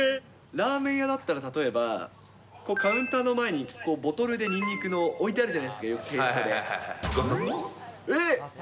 ラーメン屋だったら、例えば、カウンターの前にボトルでにんにくを置いてあるじゃないですか、よく。